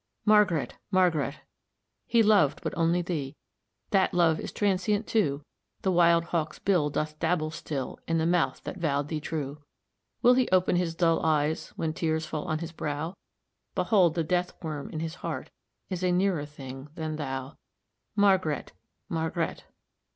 Margret! Margret! He loved but only thee! That love is transient, too; The wild hawk's bill doth dabble still In the mouth that vowed thee true. Will he open his dull eyes, When tears fall on his brow? Behold the death worm in his heart Is a nearer thing than thou, Margret! Margret!"